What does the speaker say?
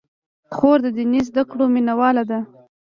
خور د دیني زدکړو مینه واله ده.